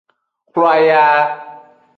Hlwaya.